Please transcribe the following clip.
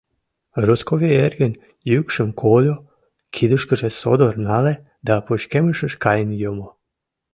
Росковий эргын йӱкшым кольо, кидышкыже содор нале да пычкемышыш каен йомо.